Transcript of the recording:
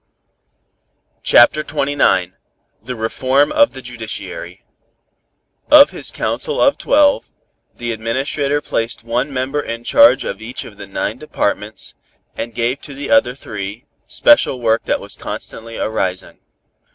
CHAPTER XXIX THE REFORM OF THE JUDICIARY Of his Council of Twelve, the Administrator placed one member in charge of each of the nine departments, and gave to the other three special work that was constantly arising.